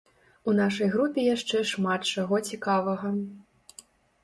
У нашай групе яшчэ шмат чаго цікавага.